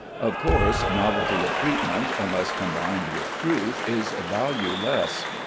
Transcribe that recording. Of course, novelty of treatment, unless combined with truth, is valueless.